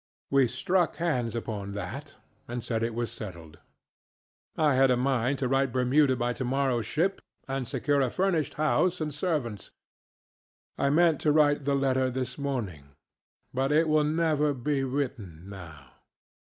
We struck hands upon that, and said it was settled. I had a mind to write to Bermuda by tomorrowŌĆÖs ship and secure a furnished house and servants. I meant to write the letter this morning. But it will never be written, now.